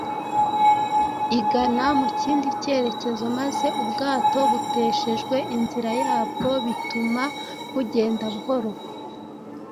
igana mu kindi cyerekezo maze ubwato buteshejwe inzira yabwo bituma bugenda buhoro.